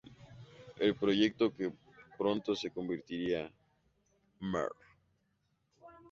El proyecto que pronto se convertiría Mr.